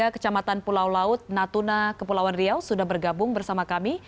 kecamatan pulau laut natuna kepulauan riau sudah bergabung bersama kami